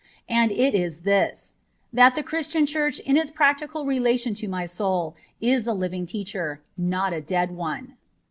And that is this ; that the Christian Church in its practical relation to my soul is a living teacher, not a dead one.